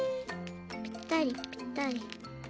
ぴったりぴったり。